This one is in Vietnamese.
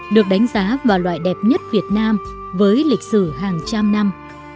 được đánh giá và loại đẹp nhất việt nam với lịch sử hàng trăm năm